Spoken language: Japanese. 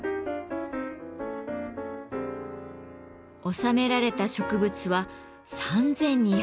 収められた植物は３，２０６種。